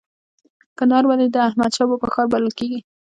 کندهار ولې د احمد شاه بابا ښار بلل کیږي؟